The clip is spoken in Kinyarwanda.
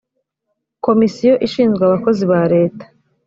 komisiyo ishinzwe abakozi ba leta